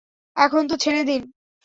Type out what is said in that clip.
এখন তো ছেড়ে দিন।